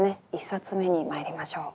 １冊目にまいりましょう。